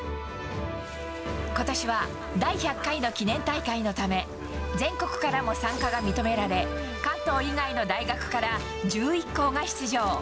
ことしは第１００回の記念大会のため、全国からも参加が認められ、関東以外の大学から１１校が出場。